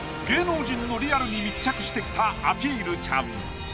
芸能人のリアルに密着してきた「アピルちゃん」